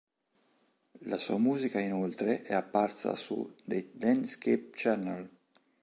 La sua musica inoltre è apparsa su "The Landscape Channel".